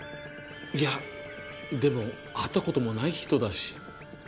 いやでも会ったこともない人だし。